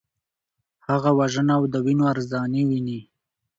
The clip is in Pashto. هغه وژنه او د وینو ارزاني ویني.